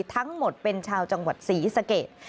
ทั้งหมดเป็นชาวจังหวัดศรีสเกต